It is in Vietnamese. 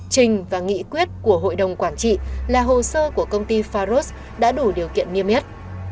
trình và nghị quyết của hội đồng quản trị là hồ sơ của công ty faros đã đủ điều kiện niêm yết